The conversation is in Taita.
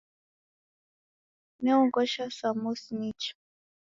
Neoghosha samosi nicha